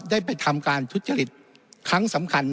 ได้ไปทำการทุจริตครั้งสำคัญ